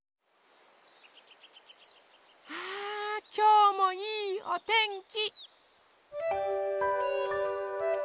あきょうもいいおてんき。